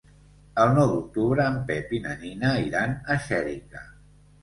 El nou d'octubre en Pep i na Nina iran a Xèrica.